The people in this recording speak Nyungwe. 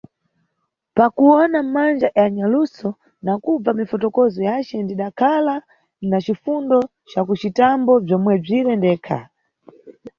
Pa kuwona manja ya nyaluso na kubva mifotokozo yace ndidakhala na cifundo ca kucitambo bzomwebzire ndekha.